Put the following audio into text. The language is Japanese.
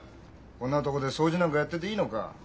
こんなとこで掃除なんかやってていいのか？